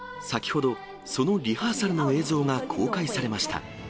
先ほど、そのリハーサルの映像が公開されました。